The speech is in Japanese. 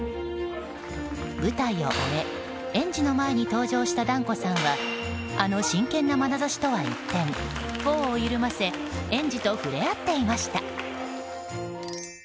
舞台を終え、園児の前に登場した團子さんはあの真剣なまなざしとは一転頬を緩ませ園児と触れ合っていました。